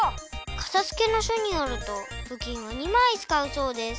「かたづけの書」によるとふきんは２まいつかうそうです。